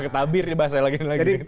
tabir ya bahasanya lagi